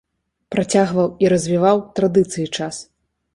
Працягваў і развіваў традыцыі час.